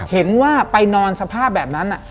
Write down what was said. เห็นว่าไปนอนสภาพแบบนั้น